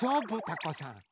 タコさん。